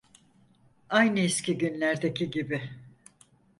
Aynı eski günlerdeki gibi.